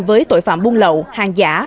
với tội phạm buôn lậu hàng giả